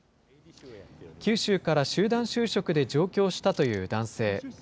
九州から集団就職で上京したという男性。